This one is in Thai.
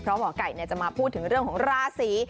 เพราะหมอไก่จะมาพูดถึงเรื่องของราศี